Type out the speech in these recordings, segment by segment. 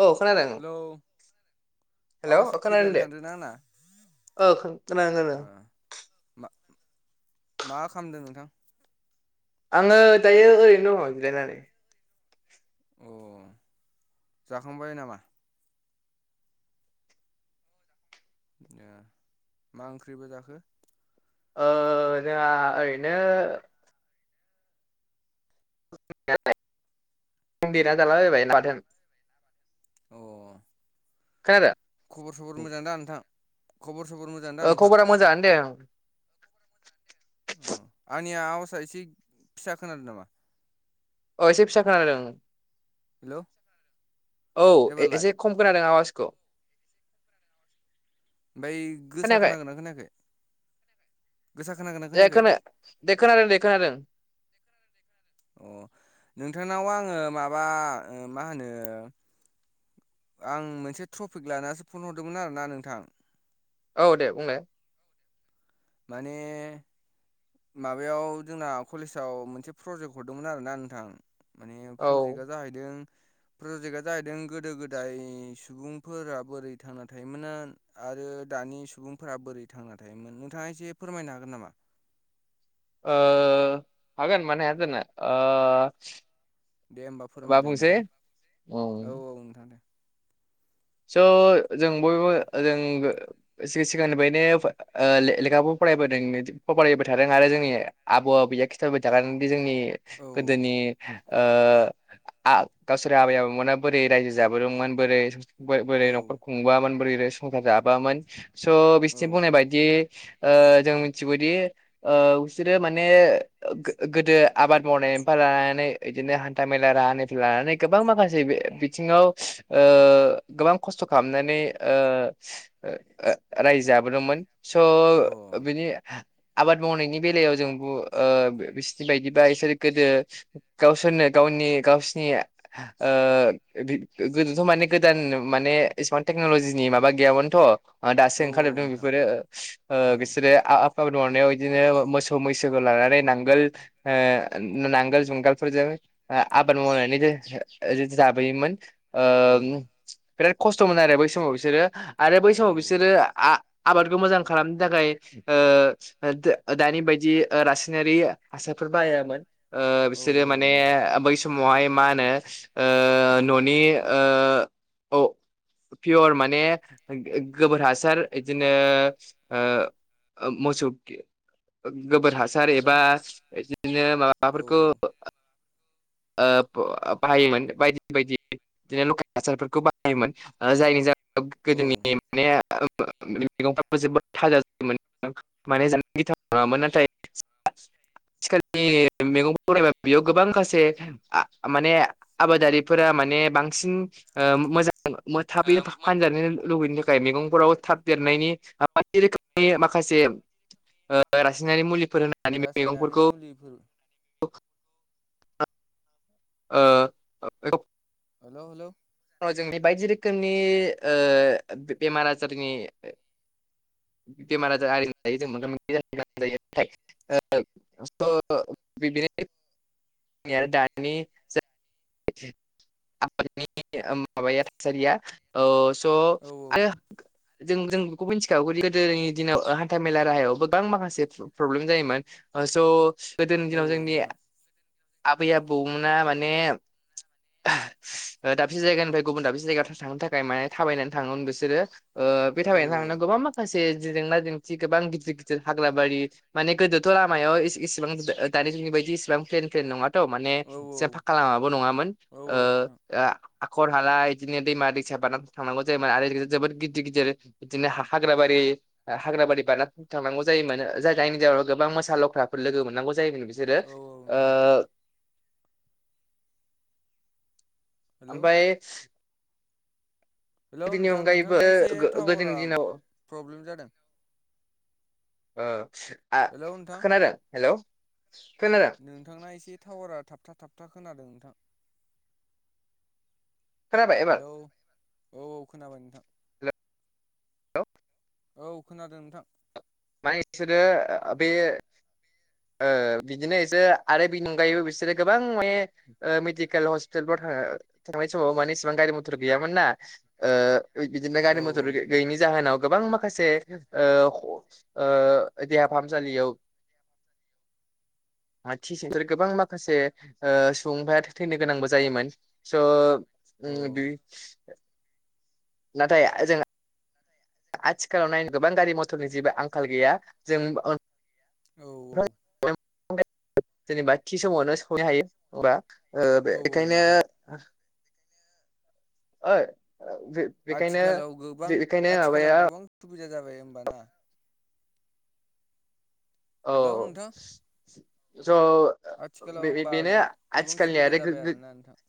औ खोनादों। Hello hello आवासा औ खोनादों किरियाल दे थांदोंना आंना? ओ खोनादो खोनादों। मा मा खामदों नोंथां? आंङो दायो ओरैनो दङ जिरायनानै। अ जाखांबाय नामा? ए मा ओंख्रिबो जाखो? ओ जोंहा ओरैनो [inaudible] देना जाला जालाबायबाय [unintelligible] अ खोनादों खबर सबर मोजां दा नोंथां? खबर सबर मोजां दा ओ नोंथां खबरा मोजाङानो दे। अ आंनिया आवसा एसे फिसा खोनादों नामा? अ एसे फिसा खोनादों। हेल'। औ ए-एसे खम खोनादों आवाजखौ। ओमफ्राय गोसा खोनायाखै खोनागोनना खोनायाखै? गोसा खोनागोना दे खोनायाखै खोना दे खोनादों दे खोनादों। अ नोंथांनाव आंङो माबा ओ मा होनो आं मोनसे ट्रफिक लानानैसो फन हरदोंमोन आरोना नोंथां। औ दे बुंलाय। माने माबायाव जोंना कलेजाव मोनसे प्रजेक्ट हरदोंमोन आरोना नोंथां। माने औ प्रजेक्टा जाहैदों प्रजेक्टआ जाहैदों गोदो गोदाय सुबुंफोरा बोरै थांना थायोमोन आ आ आरो दानि सुबुंफोरा बोरै थांना थायोमोन नोंथाङा एसे फोरमायनो हागोन नामा? ओ हागोन मानो हायाजानो। ओ दे होमबा माबा फोरमायलाय बुंसै नोंथां औ औ नोंथां दे। स' जों बयबो जों गो सि-सिगांनिफ्रायनो ओ ले-लेखाखौ फरायबोदों फरायबाय थादों आरो जोंनि आबौ आबौया खिन्थाबोबाय थाखादोंदि जोंनि औ गोदोनि ओ आ गावसोर आबै आबौमोना बोरै रायजो जाबोदोंमोन बोरै बोरै औ न'खर खुंबोआमोन बोरै संसार जाबोयामोन स' बिसोरनि बुंनाय बायदियै ओ जों मिथिगौदि ओ बिसोरो माने गो-गोदो आबाद मावनाय फ्राय लानानै इदिनो हान्था मेला राहानिफ्राय लानानै गोबां माखासे बि-बिथिङाव ओ गोबां खस्थ' खालामनानै ओ ओ ओ रायजो जाबोदोंमोन। स' औ बिनि आबाद मावनायनि बेलायाव जों बु ओ [unintelligible] बिसोरनि बायदिबा बिसोर गोदो गावसोरनो गाव [unintelligible] गावसिनि ओ [unintelligible] गोदोथ' माने गो दान माने इसेबां टेकनल'जिनि माबा गैयामोनथ'। अ दासो औ औ ओंखारजोबदों नोंथां बेफोरो औ ओ बिसोरो [unintelligible] [unintelligible] मावनायाव इदिनो मोसौ मैसोखौ लानानै नांगोल ओ नांगोल जुंगालफोरजों आ आबाद मावनानै [unintelligible] जाबोयोमोन। अ औ ओम बिराद खस्थ'मोन आरो बै समाव बिसोरो आरो बै औ समाव बिसोरो आ आबादखौ मोजां खालामनो थाखाय ओ ओ दा दानि बायदि ओ रासायनारि हासार बायामोन ओ औ बिसोरो औ माने नोंथां बै समावहाय मा होनो ओ न'नि बे ओ औ पियर माने गो-गोबोर हासार इदिनो ओ ओ मोसौ [unintelligible] गोबोर हासार हेल' औ एबा इदिनो माबाफोरखौ औ [unintelligible] बाहायोमोन बायदि बायदि बिदिनो लकेल हासारफोरखौ बाहायोमोन ओ जायनि जा [unintelligible] औ गोदोनि [unintelligible] [unintelligible] मैगंफोराबो जोबोद थाजा जायोमोन [unintelligible] नङामोन। नाथाय [inaudible] आथिखालनि मैगं फोरखौ [unintelligible] बेयाव गोबां [unintelligible] [unintelligible] माने आबादारिफोरा माने बांसिन ओ मोजा [unintelligible] फानजानो लुबैनो थाखाय मैगंफोराव थाब देरनायनि बायदि रोखोमनि माखासे ओ रासायनारि मुलिफोर होनानै रासायनारि मैगंफोरखौ मुलिफोर ओ [unintelligible] हेलौ हेलौ। [unintelligible] बायदि रोखोमनि ओ बेमार आजारनि बिमार आजार आरिनिफ्राय [unintelligible] [unintelligible] [unintelligible] ओ माबाया थासारिया ओ स' औ आरो जों जों बेखौ मिनथिखागौ दि गोदोनि दिनाव ओ हान्था मेला राहायावबो गोबां माखासे प्र-प्रब्लेम जायोमोन। स' गोदोनि औ दिनाव औ जोंनि नोंथां आबै आबौमोना माने [unintelligible] दाबसे जायगानिफ्राय गुबुन दाबसे जायगायाव था-था-थांनो थाखाय माने थाबायनानै थाङोमोन बिसोरो। ओ बे औ औ थाबायनो थांनो गोबां माखासे जेंना जेंथि गोबां गिदिर गिदिर हाग्राबारि माने गोदोथ' लामायाव एसे- एसेबां दानि जोंनि बायदि इसिबां प्लेन प्लेन नङाथ' माने औ औ जे फाकाबो नङामोन औ ओ औ नोंथां हाखर हाला इदिनो दैमा दैसा बारनानै थांनांगौ जायोमोन आरो जोबोद गिदिर गिदिर बिदिनो हा खाग्राबो बारि आ हाग्राबारि बारना थांनांगौ जायोमोन। [unintelligible] जायनि जाहोनाव गोबां मोसा लख्राफोर लोगो मोननांगौ जायोन बिसोरो औ औ ओ नोंथां हेलौ ओमफाय हेलौ नोंथां अनगायैबो नोंथांना एसे गोदोनि टावारा दिनाव फ्रब्लेम जादों। ओ आ हेलौ नोंथां खोनादों हेलौ। खोनादों नोंथांना एसे टावारा थाबथा थाबथा खोनादों नोंथां। खोनाबाय एबार हेलौ औ औ खोनाबाय नोंथां। औ खोनादों नोंथां। मानि इसोरो आ बे बिदिनो एसोर आरो बिनि अनगायैबो बिसोरो गोबां माने ओ मेडिकेल हस्पिटालफोराव थांनाय समाव माने इसिबां गारि मथर गैयामोन ना बिदिनो औ गारि मथर गैयैनि जाहोनाव गोबां माखासे ओ ओ देहा फाहामसालियाव [inaudible] थि गोबां माखासे सुबुंफोरा थैनो गोनांबो जायोमोन स' औ [unintelligible] नाथाय जों आथिखालाव नायनो गोबां गारि मथरनि जेबो आंखाल गैया जों औ औ जेनेबा थि समावनो सैनो हायो होनबा ओ औ औ बेनिखायनो नोंथां ओइ बेखायनो आथिखालाव गोबां बेखायनो माबाया आथिखालाव गोबां सुबिदा जाबाय होमबाना हेल' औ नोंथां आथिखालाव होमबा बेनो गोबां आथिखालनि सुबिदा आरो जाबाय आरोना नोंथां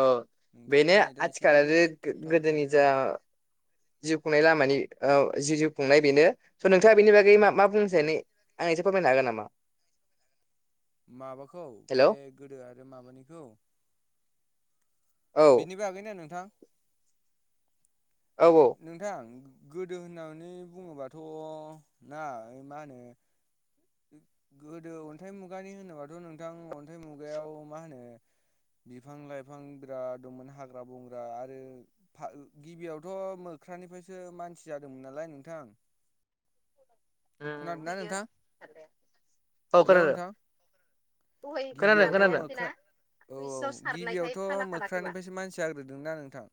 औ नोंथांना बेनो नेटआ एसे आथिखाल आरो थाबथाबाय गोदोनि थादों जा जिउ खुंनाय लामानि जि जिउ खुंनाय बेनो स' नोंथाङा बेनि बागै मा मा औ बुंनोसै न आंनि बुंनो हागोन नामा माबाखौ हेल' बे औ गोदो आरो माबानिखौ औ बिनिबो आगैनि नोंथां औ नोंथां गोदो होननानै बुङोबाथ' ना मा होनो गोदो अन्थाइ मुगानि होनोबाथ' नोंथां अन्थाइ मुगायाव मा होनो बिफां लाइफां बिराद दंमोन हाग्रा बंग्रा आरो गिबियावथ' खख्रानिफ्रायसो मानसि जादोंमोन नालाय नोंथां खोनादोंना नोंथां [unintelligible] औ हेलौ खोनादों नोंथां खोनादों गिबियावथ' खोनादों मोख्रा औ औ गिबियावथ' मोख्रानिफ्रायसो मानसि जाग्रोदोंना नोंथां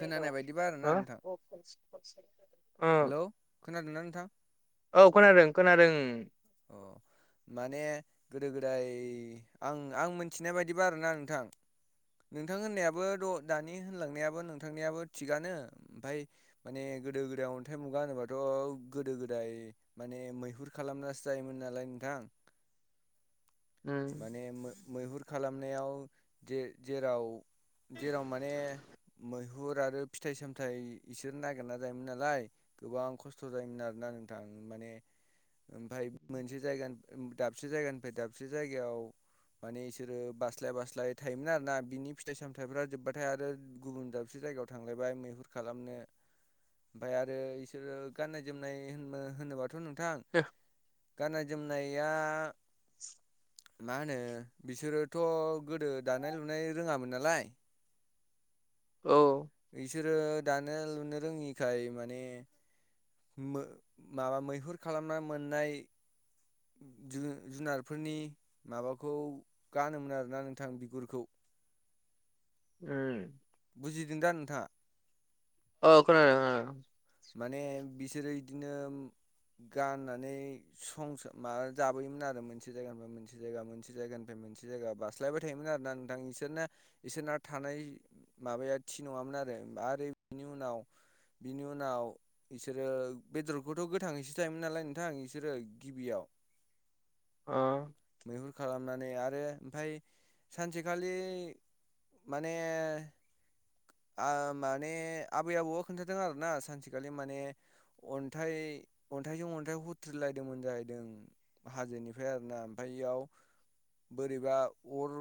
खोनानाय बायदिबा आरोना नोंथां हेलौ खोनादोंना नोंथां औ खोनादों खोनादों उम अ माने गोदो गोदाय आं आं मिथिनाय बायदिबा आरोना नोंथां नोंथां होननायाबो' दानि होनलांनायाबो नोंथांनियाबो थिगानो ओमफाय माने गोदो गोदाय अन्थाइ मुगा होनोबाथ' गोदो गोदाय माने मैहुर खालामनासो जायोमोन नालाय नोंथां उम माने मैहुर खालामनायाव जे जेराव जेराव माने मैहुर आरो फिथाइ सामथायाइ इसोर नागिरना जायोमोन नालाय गोबां खस्थ' जायोमोन आरो ना ना नोंथां माने ओमफ्राय मोनसे जायगानि दाबसे जायगानिफ्राय दाबसे जायगायाव माने इसोरो बास्लाय बास्लाय थायोमोन आरो ना बिनि फिथाइ सामथायाइफ्रा जोब्बाथाय आरो गुबुन दाबसे जायगायाव थांलायबाय मैहुर खालामनो ओमफाय आरो इसोरो गाननाय जोमनाय होन होनोबाथ' नोंथां गाननाय जोमनाया [unintelligible] मा होनो बिसोरोथ' गोदो दानाय लुनाय रोङामोन नालाय औ इसोरो दानो लुनो रोङिखाय माने मो- माबा मैहुर खालामना नाय जु जुनारफोरनि माबाखौ गानोमोन आरोना नोंथां बिगुरखौ उम बुजिदों दा नोंथाङा? औ खोनादों माने बिसोरो बिदिनो गाननानै संस माबा जाबोयोमोन आरो मोनसे जायगानिफ्राय मोनसे जायगा मोनसे जायगानिफ्राय मोनसे जायगा बास्लायबाय थायोमोन आरोना नोंथां इसोरना इसोरना थानाय माबाया थि नङामोन आरो आरो आरो बिनि उनाव बिनि उनाव नाव बिसोरो बेदरखौथ' गोथाङैसो जायोमोन नालाय नोंथां बिसोरो गिबियाव [inaudible] अ मैहुर खालामनानै आरो ओमफफ्राय सानसेखालि माने आ माने आबै आबौआ खोन्थादों आरोना सानसेखालि माने अन्थाइ अन्थाइजों अन्थाइ हुथ्रिलायदोंमोन जाहैदों हाजोनिफ्राय आरो ना ओमफफ्राय इयाव बोरैबा अर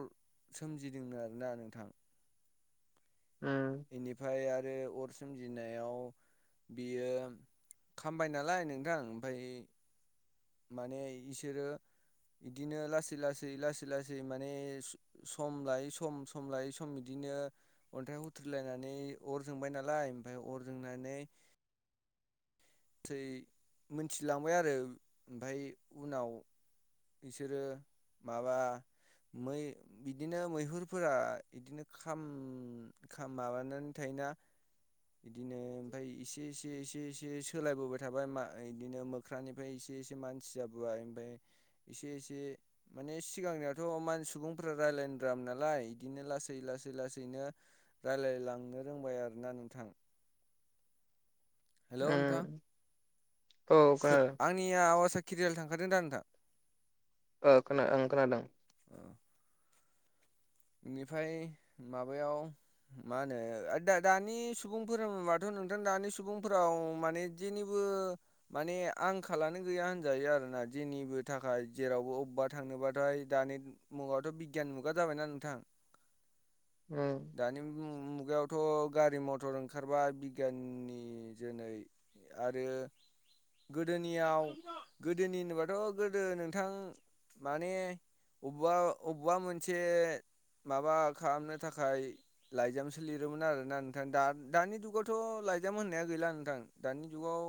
सोमजिदोंनोन आरोना नोंथां उम बेनिफ्राय आरो अर सोमजिनायाव बियो खामबाय नालाय नोंथां ओमफफ्राय माने इसोरो बिदिनो लासै लासै लासै लासै माने सम लायै सम सम लायै सम बिदिनो बिदिनो अन्थाइ हुथ्रलायनानै अर जोंबाय नालाय ओमफफ्राय अर जोंनानै [inaudible] थै मिथिलांबाय आरो ओमफफ्राय उनाव बिसोरो माबा मै बिदिनो मैहुरफोरा बिदिनो खाम खाम माबानानै थायोना बिदिनो ओमफफ्राय एसे एसे एसे एसे सोलायबोबाय थाबाय आ बिदिनो मोख्रानिफ्राय एसे एसे मानसि जाबोबाय ओमफफ्राय एसे एसे माने सिगांनियावथ' मान सुबुंफोरा रायलायनो नालाय बिदिनो लासै लासै लासै लासैनो रायलायलांनो रोंबाय आरोना नोंथां हेल' नोंथां उम औ खो खोनादों आंनिया आवासा केरियाल थांखादों दा नोंथां ओ खोना ओं खोनादों बेनिफ्राय माबायाव मा होनो दा दानि सुबुंफोरा माथ' नोंथां दानि सुबुंफोराव माने जेनिबो माने आंखालानो गैया होनजायो आरो ना जेनिबो थाखाय जेरावबो अबबा थांनोबाथाय दानि मुगायावथ' बिगियान मुगा जाबायना नों थां उम दानि उम मुगायावथ' गारि मथर ओंखारबा बिगियाननि जोनै आरो गोदोनियाव गोदोनि होनोबाथ' गोदो नोंथां माने अबबा अबेबा मोनसे माबा खालामनो थाखाय लाइजामसो लिरोमोन आरोना नोंथां दा दानि जुगावथ' लाइजामोन होननाया गैला नोंथां दानि जुगाव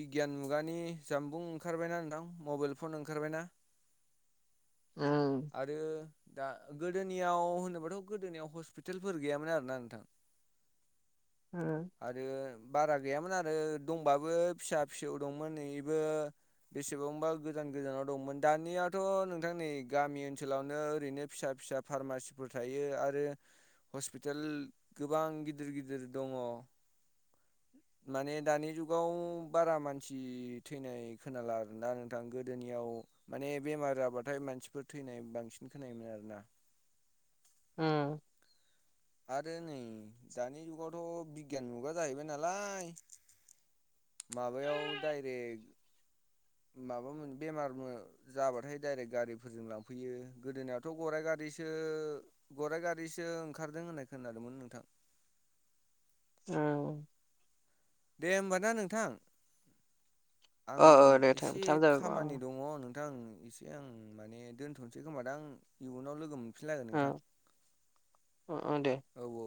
बिगियान मुगानि जामबुं ओंखारबायना नोंथां मबाइल फन ओंखारबायना [inaudible] ओम आरो दा गोदोनियाव होनोबाथ' गोदोनियाव हस्पितालफोर गैयामोन आरोना नोंथां उम आरो बारा गैयामोन आरो आरो दंबाबो फिसा फिसौ दंमोन नैइबो बेसेबांबा गोजान गोजानाव दंमोन दानियाथ' नोंथां नै गामि ओनसोलावनो ओरैनो फिसा फिसा फार्मासिफोर थायो आरो हस्पिटाल गोबां गिदिर गिदिर दङ माने दानि जुगाव बारा मानसि थैनाय खोनाला आरोना नोंथां गोदोनियाव माने बेमार जाबाथाय मानसिफोर थैनाय बांसिन खोनायोमोन आरोना। ओम। आरो नै दानि जुगावथ' बिगियान मुगा जाहैबाय नालाय माबायाव डाइरेक्ट माबामोन बेमारफोर जाबाथाय डायरेक्ट गारिफोरजों लांफैयो गोदोनायावथ' गराइ गा गारिसो गराइ गारिसो ओंखारदों होननाय खोनादोंमोन नोंथां। ओं। दे होमबा ना नोंथां ओ आं दे टाइम एसे टाइम खामानि जाबाय दङ नों थां एसे आं माने दोनथ'नोसै खोमा दा आं इयुनाव लोगो मोन फिनलायगोन नोंथां ओ ओ दे औ औ।